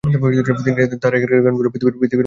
তিনি জানান, তার এখানকার গানগুলো পৃথিবীর মত ভাল লাগছে না।